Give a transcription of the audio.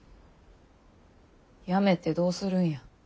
やめてどうするんや？